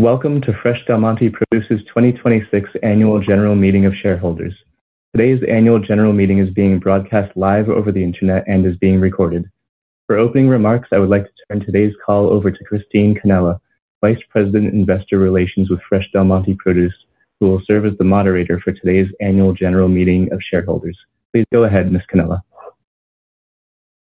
Welcome to Fresh Del Monte Produce's 2026 Annual General Meeting of Shareholders. Today's Annual General Meeting is being broadcast live over the internet and is being recorded. For opening remarks, I would like to turn today's call over to Christine Cannella, Vice President, Investor Relations with Fresh Del Monte Produce, who will serve as the moderator for today's annual general meeting of shareholders. Please go ahead, Ms. Cannella.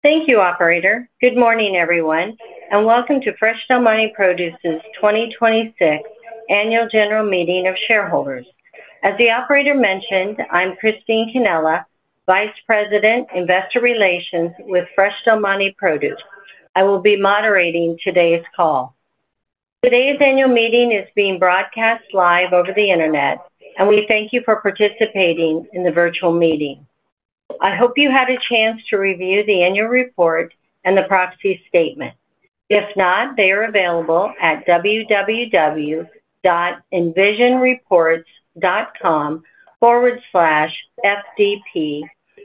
Thank you, operator. Good morning, everyone, and welcome to Fresh Del Monte Produce's 2026 Annual General Meeting of Shareholders. As the operator mentioned, I'm Christine Cannella, Vice President, Investor Relations with Fresh Del Monte Produce. I will be moderating today's call. Today's annual meeting is being broadcast live over the internet, and we thank you for participating in the virtual meeting. I hope you had a chance to review the annual report and the proxy statement. If not, they are available at www.envisionreports.com/fdp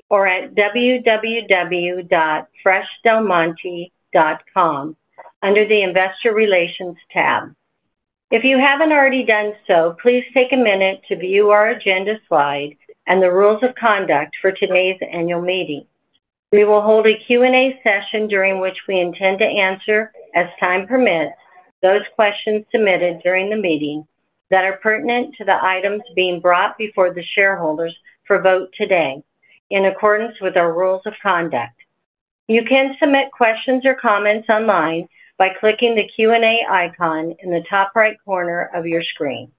or at www.freshdelmonte.com under the Investor Relations tab. If you haven't already done so, please take a minute to view our agenda slide and the rules of conduct for today's annual meeting. We will hold a Q&A session during which we intend to answer, as time permits, those questions submitted during the meeting that are pertinent to the items being brought before the shareholders for vote today, in accordance with our rules of conduct. You can submit questions or comments online by clicking the Q&A icon in the top right corner of your screen.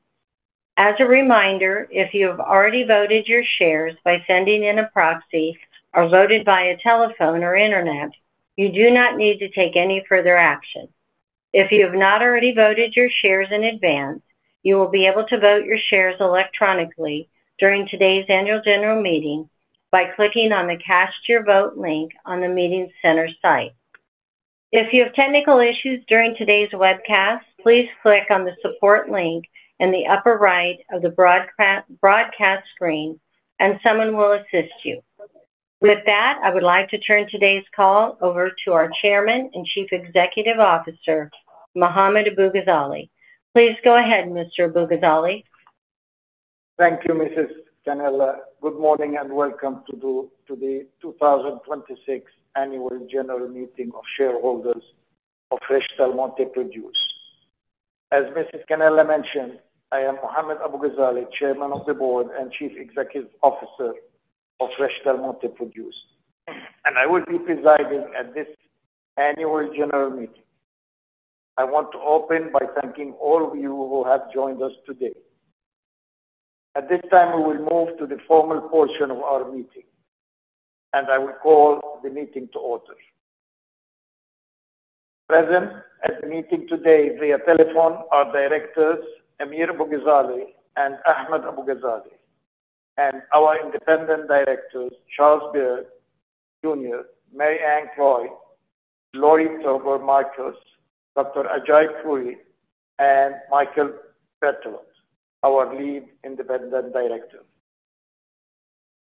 As a reminder, if you have already voted your shares by sending in a proxy or voted via telephone or internet, you do not need to take any further action. If you have not already voted your shares in advance, you will be able to vote your shares electronically during today's annual general meeting by clicking on the Cast Your Vote link on the meeting center site. If you have technical issues during today's webcast, please click on the support link in the upper right of the broadcast screen and someone will assist you. With that, I would like to turn today's call over to our Chairman and Chief Executive Officer, Mohammad Abu-Ghazaleh. Please go ahead, Mr. Abu-Ghazaleh. Thank you, Mrs. Cannella. Good morning and welcome to the 2026 Annual General Meeting of Shareholders of Fresh Del Monte Produce. As Mrs. Cannella mentioned, I am Mohammad Abu-Ghazaleh, Chairman of the Board and Chief Executive Officer of Fresh Del Monte Produce, and I will be presiding at this Annual General Meeting. I want to open by thanking all of you who have joined us today. At this time, we will move to the formal portion of our meeting, and I will call the meeting to order. Present at the meeting today via telephone are directors Amir Abu-Ghazaleh and Ahmad Abu-Ghazaleh. Our independent directors, Charles Beard, Jr., Mary Ann Cloyd, Lori Tauber Marcus, Dr. Ajai Puri, and Michael Berthelot, our Lead Independent Director.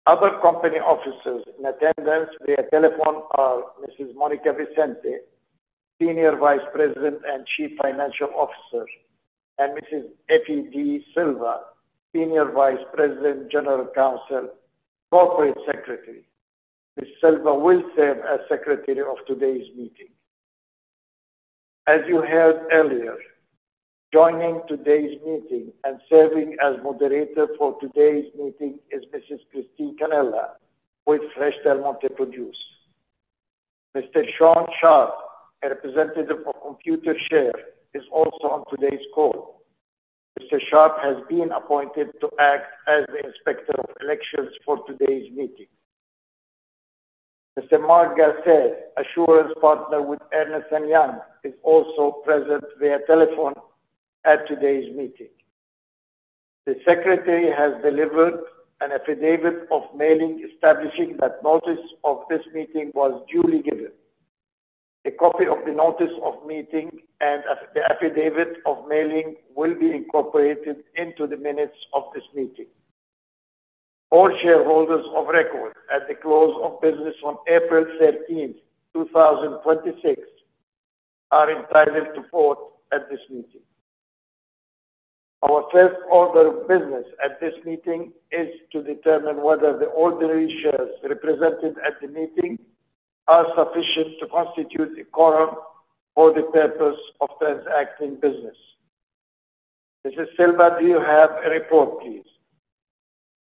Other company officers in attendance via telephone are Mrs. Monica Vicente, Senior Vice President and Chief Financial Officer, and Mrs. Effie D. Silva, Senior Vice President, General Counsel, Corporate Secretary. Ms. Silva will serve as Secretary of today's meeting. As you heard earlier, joining today's meeting and serving as moderator for today's meeting is Mrs. Christine Cannella with Fresh Del Monte Produce. Mr. Sean Sharp, a representative of Computershare, is also on today's call. Mr. Sharp has been appointed to act as the Inspector of Elections for today's meeting. Mr. Mark Garsed, Assurance Partner with Ernst & Young is also present via telephone at today's meeting. The secretary has delivered an affidavit of mailing establishing that notice of this meeting was duly given. A copy of the notice of meeting and the affidavit of mailing will be incorporated into the minutes of this meeting. All shareholders of record at the close of business on April 13th, 2026, are entitled to vote at this meeting. Our first order of business at this meeting is to determine whether the ordinary shares represented at the meeting are sufficient to constitute a quorum for the purpose of transacting business. Mrs. Silva, do you have a report, please?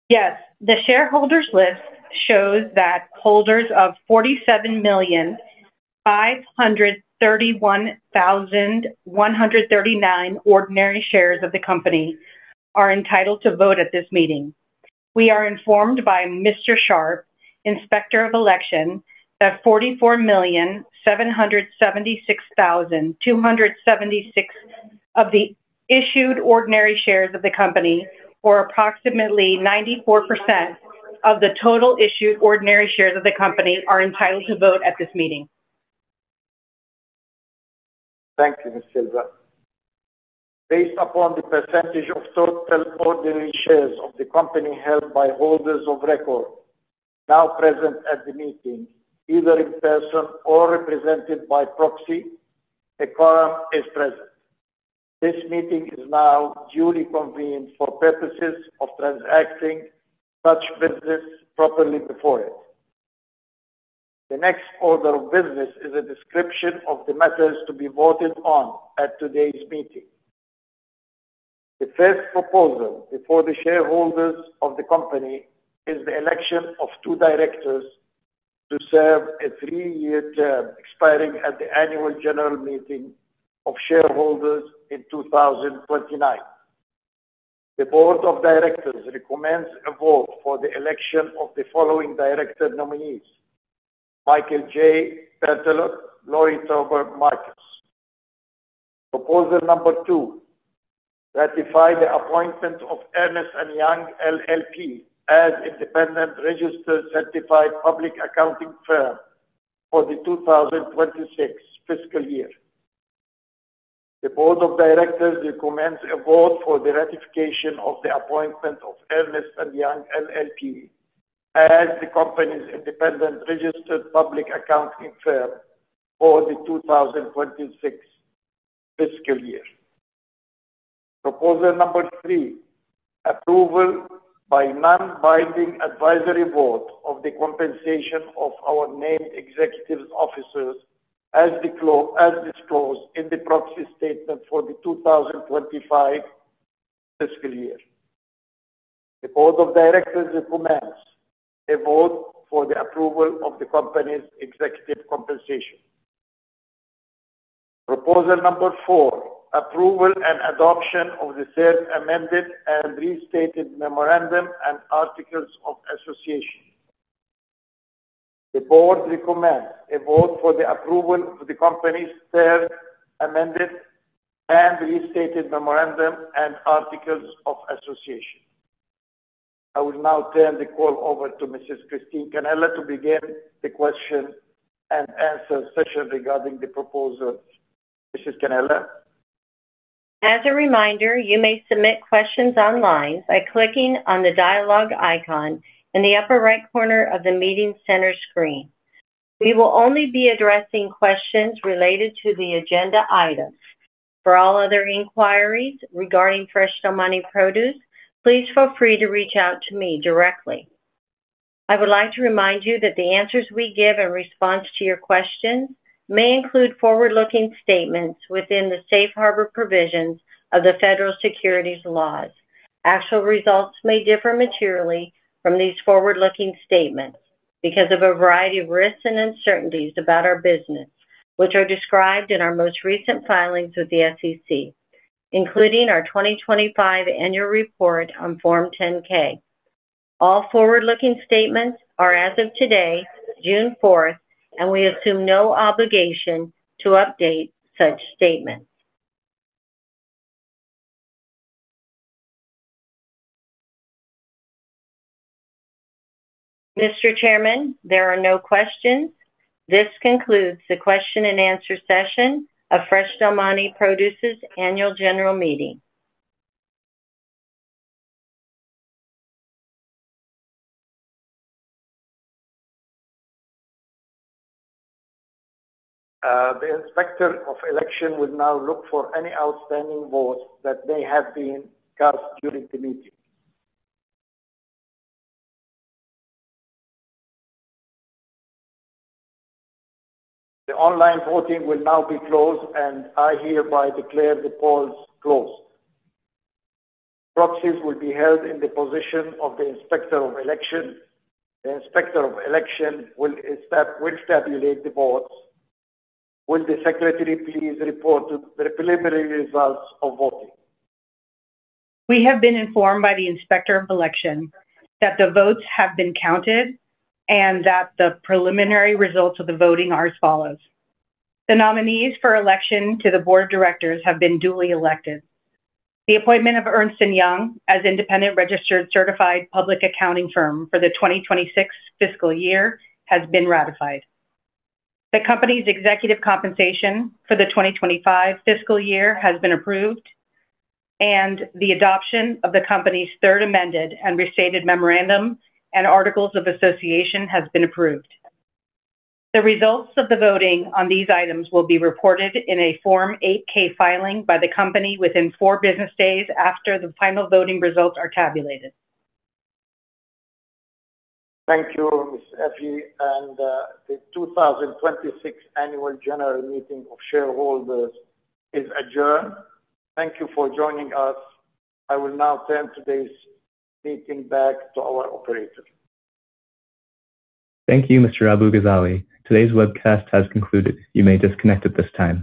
Yes. The shareholders list shows that holders of 47,531,139 ordinary shares of the company are entitled to vote at this meeting. We are informed by Mr. Sharp, Inspector of Election, that 44,776,276 of the issued ordinary shares of the company, or approximately 94% of the total issued ordinary shares of the company, are entitled to vote at this meeting. Thank you, Ms. Silva. Based upon the percentage of total ordinary shares of the company held by holders of record now present at the meeting, either in person or represented by proxy, a quorum is present. This meeting is now duly convened for purposes of transacting such business properly before it. The next order of business is a description of the matters to be voted on at today's meeting. The first proposal before the shareholders of the company is the election of two directors to serve a three-year term expiring at the annual general meeting of shareholders in 2029. The Board of Directors recommends a vote for the election of the following director nominees: Michael J. Berthelot, Lori Tauber Marcus. Proposal number two, ratify the appointment of Ernst & Young LLP as independent registered certified public accounting firm for the 2026 fiscal year. The Board of Directors recommends a vote for the ratification of the appointment of Ernst & Young LLP as the company's independent registered public accounting firm for the 2026 fiscal year. Proposal number three, approval by non-binding advisory vote of the compensation of our named executive officers as disclosed in the proxy statement for the 2025 fiscal year. The Board of Directors recommends a vote for the approval of the company's executive compensation. Proposal number four, approval and adoption of the third amended and restated memorandum and articles of association. The board recommends a vote for the approval of the company's third amended and restated memorandum and articles of association. I will now turn the call over to Mrs. Christine Cannella to begin the question and answer session regarding the proposals. Mrs. Cannella. As a reminder, you may submit questions online by clicking on the dialogue icon in the upper right corner of the meeting center screen. We will only be addressing questions related to the agenda items. For all other inquiries regarding Fresh Del Monte Produce, please feel free to reach out to me directly. I would like to remind you that the answers we give in response to your questions may include forward-looking statements within the safe harbor provisions of the Federal Securities laws. Actual results may differ materially from these forward-looking statements because of a variety of risks and uncertainties about our business, which are described in our most recent filings with the SEC, including our 2025 annual report on Form 10-K. All forward-looking statements are as of today, June 4th, and we assume no obligation to update such statements. Mr. Chairman, there are no questions. This concludes the question-and-answer session of Fresh Del Monte Produce's Annual General Meeting. The Inspector of Election will now look for any outstanding votes that may have been cast during the meeting. The online voting will now be closed, and I hereby declare the polls closed. Proxies will be held in the position of the inspector of election. The Inspector of Election will tabulate the votes. Will the secretary please report the preliminary results of voting? We have been informed by the inspector of election that the votes have been counted and that the preliminary results of the voting are as follows: The nominees for election to the board of directors have been duly elected. The appointment of Ernst & Young as independent registered certified public accounting firm for the 2026 fiscal year has been ratified. The company's executive compensation for the 2025 fiscal year has been approved, and the adoption of the company's third amended and restated memorandum and articles of association has been approved. The results of the voting on these items will be reported in a Form 8-K filing by the company within four business days after the final voting results are tabulated. Thank you, Ms. Effie. The 2026 Annual General Meeting of Shareholders is adjourned. Thank you for joining us. I will now turn today's meeting back to our operator. Thank you, Mr. Abu-Ghazaleh. Today's webcast has concluded. You may disconnect at this time.